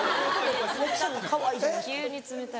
急に冷たい。